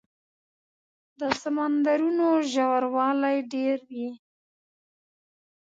د سمندرونو ژوروالی ډېر وي.